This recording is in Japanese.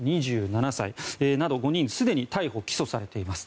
２７歳など５人すでに逮捕・起訴されています。